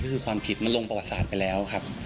ก็คือความผิดมันลงประวัติศาสตร์ไปแล้วครับ